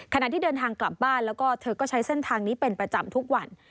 ขณะที่เดินทางกลับบ้านแล้วก็เธอก็ใช้เส้นทางนี้เป็นประจำทุกวัน